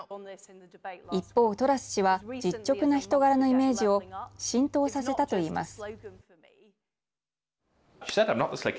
一方、トラス氏は実直な人柄のイメージを浸透させたといいます。